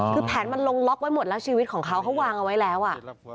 คือแผนมันลงล็อกไว้หมดแล้วชีวิตของเขาเขาวางเอาไว้แล้วอ่ะ